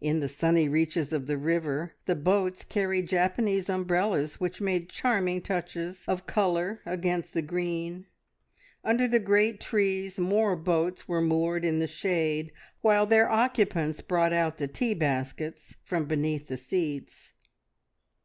In the sunny reaches of the river the boats carried Japanese umbrellas which made charming touches of colour against the green. Under the great trees more boats were moored in the shade, while their occupants brought out the tea baskets from beneath the seats.